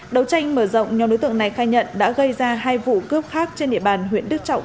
đầu tranh mở rộng nhóm đối tượng này khai nhận đã gây ra hai vụ cướp khác trên địa bàn huyện đức trọng